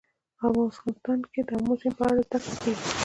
افغانستان کې د آمو سیند په اړه زده کړه کېږي.